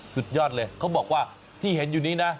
สุดยอดเลยเขาบอกว่าที่เห็นอยู่นี้นะ